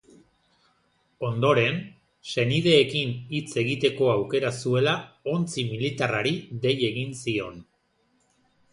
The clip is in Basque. Ondoren, senideekin hitz egiteko aukera zuela ontzi militarrari dei egin zion.